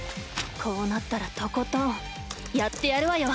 こうなったらとことんやってやるわよ！